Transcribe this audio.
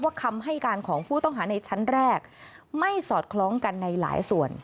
คำให้การของผู้ต้องหาในชั้นแรกไม่สอดคล้องกันในหลายส่วน